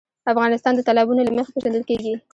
افغانستان د تالابونه له مخې پېژندل کېږي.